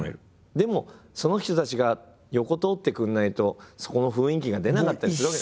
でもその人たちが横通ってくれないとそこの雰囲気が出なかったりするわけです。